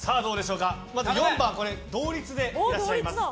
まず４番同率でいらっしゃいます。